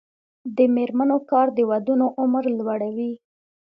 د میرمنو کار د ودونو عمر لوړوي.